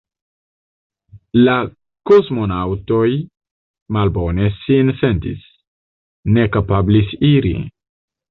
La kosmonaŭtoj malbone sin sentis, ne kapablis iri.